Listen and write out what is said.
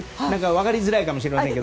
分かりづらいかもしれませんが。